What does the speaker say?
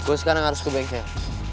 gue sekarang harus ke bengkel